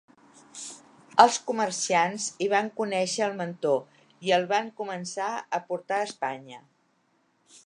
Els comerciants hi van conèixer el mantó i el van començar a portar a Espanya.